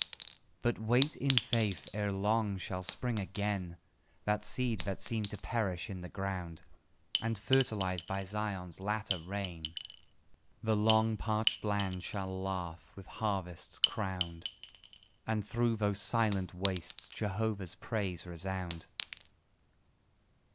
But wait in faith: ere long shall spring again The seed that seemed to perish in the ground; And fertilised by Zion's latter rain, The long parched land shall laugh, with harvests crowned, And through those silent wastes Jehovah's praise resound.